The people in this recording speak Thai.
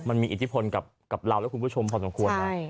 มันมีอิทธิพลกับเราและคุณผู้ชมแพบพอดี